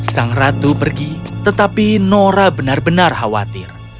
sang ratu pergi tetapi nora benar benar khawatir